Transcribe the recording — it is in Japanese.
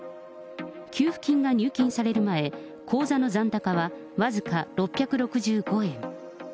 給付金が入金される前、口座の残高は僅か６６５円。